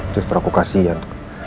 justru aku kasihan